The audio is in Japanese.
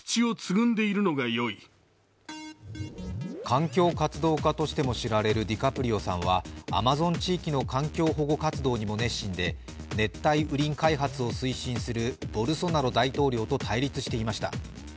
環境活動家としても知られるディカプリオさんはアマゾン地域の環境保護活動にも熱心で、熱帯雨林開発を推進するボルソナロ大統領と対立していました。